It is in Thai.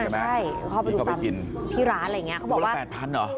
ใช่ใช่เข้าไปดูตามที่ร้านอะไรอย่างเงี้ย